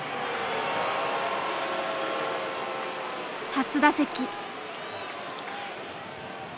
初打席。